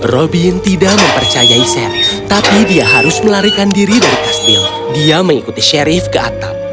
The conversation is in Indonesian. robin tidak mempercayai sherif tapi dia harus melarikan diri dari kastil dia mengikuti sherif ke atap